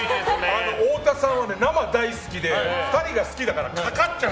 太田さんは生大好きで２人が好きだからかかっちゃう。